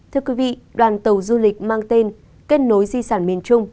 thưa quý vị đoàn tàu du lịch mang tên kết nối di sản miền trung